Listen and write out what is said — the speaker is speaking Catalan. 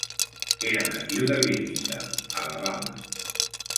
Era natiu de Birmingham, Alabama.